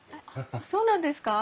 そうなんですか？